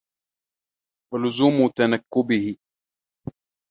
وَلُزُومِ تَنَكُّبِهِ